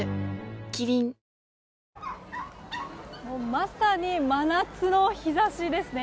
まさに真夏の日差しですね。